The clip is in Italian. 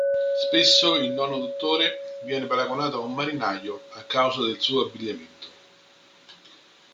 Spesso il Nono Dottore viene paragonato a un marinaio a causa del suo abbigliamento.